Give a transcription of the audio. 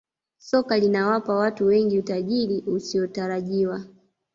Soka linawapa watu wengi utajiri usiotarajiwa